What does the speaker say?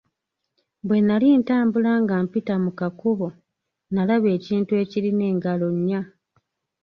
Bwe nnali ntambula nga mpita mu kakubo, nnalaba ekintu ekirina engalo nnya.